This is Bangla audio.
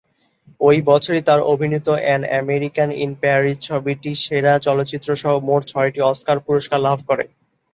ঐ বছরই তার অভিনীত "অ্যান আমেরিকান ইন প্যারিস" ছবিটি সেরা চলচ্চিত্রসহ মোট ছয়টি অস্কার পুরস্কার লাভ করে।